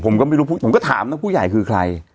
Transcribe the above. ผมก็ไม่รู้ผมก็ถามนะผู้ใหญ่คือใคร